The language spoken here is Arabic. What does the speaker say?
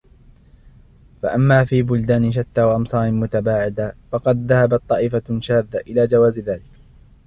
فَأَمَّا فِي بُلْدَانَ شَتَّى وَأَمْصَارٍ مُتَبَاعِدَةٍ فَقَدْ ذَهَبَتْ طَائِفَةٌ شَاذَّةٌ إلَى جَوَازِ ذَلِكَ